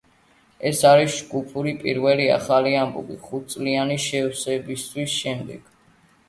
ეს არის ჯგუფის პირველი ახალი ალბომი ხუთწლიანი შესვენების შემდეგ.